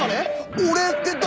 「俺って誰？